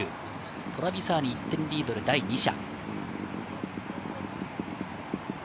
トラビサーニ、１点リードで第２射。